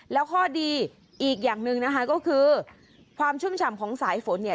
แล้วข้อดีอีกอย่างหนึ่งนะคะก็คือความชุ่มฉ่ำของสายฝนเนี่ย